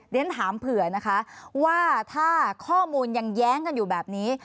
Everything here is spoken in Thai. เรียนถามเผื่อนะคะว่าถ้าข้อมูลยังแย้งกันอยู่แบบนี้